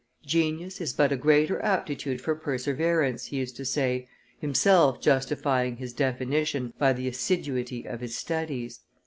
"Genius is but a greater aptitude for perseverance," he used to say, himself justifying his definition by the assiduity of his studies.